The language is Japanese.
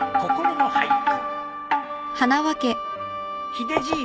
ヒデじい。